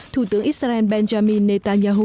thủ tướng israel benjamin netanyahu